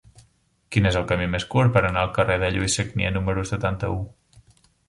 Quin és el camí més curt per anar al carrer de Lluís Sagnier número setanta-u?